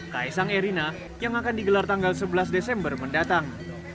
kaisang erina yang akan digelar tanggal sebelas desember mendatang